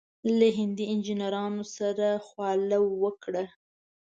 له هندي انجنیرانو سره خواله وکړه.